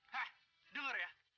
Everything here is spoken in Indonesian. hah denger ya